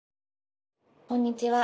こんにちは。